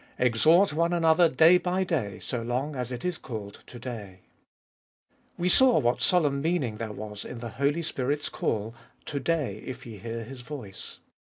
Exhort one another day by day, so long as it is called To day. We saw what solemn meaning there was in the Holy Spirit's call, To day, if ye hear His voice.